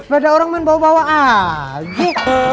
sepeda orang main bawa bawa aja